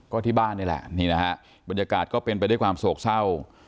ก็ที่บ้านนี่แหละนี่นะฮะบรรยากาศก็เป็นไปด้วยความโศกเศร้า